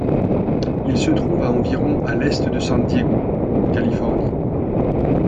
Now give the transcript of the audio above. Il se trouve à environ à l'est de San Diego, en Californie.